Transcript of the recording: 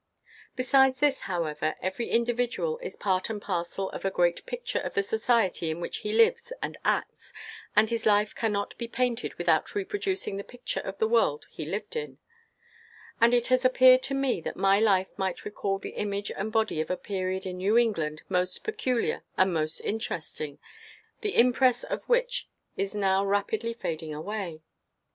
Besides this, however, every individual is part and parcel of a great picture of the society in which he lives and acts, and his life cannot be painted without reproducing the picture of the world he lived in; and it has appeared to me that my life might recall the image and body of a period in New England most peculiar and most interesting, the impress of which is now rapidly fading away.